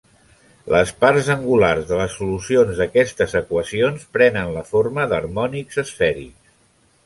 Les parts angulars de les solucions d'aquestes equacions prenen la forma d'harmònics esfèrics.